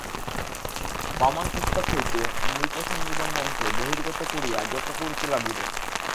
বামন পুস্তক হইতে মৃতসঞ্জীবন মন্ত্র বহির্গত করিয়া জপ করিতে লাগিলেন।